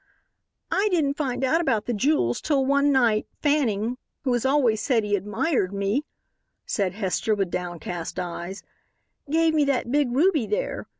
"I didn't find out about the jewels till one night Fanning, who has always said he admired me," said Hester, with downcast eyes, "gave me that big ruby there.